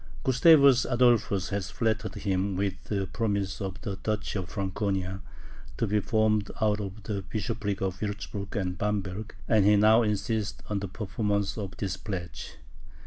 Gustavus Adolphus had flattered him with the promise of the Duchy of Franconia, to be formed out of the Bishoprics of Wurtzburg and Bamberg, and he now insisted on the performance of this pledge.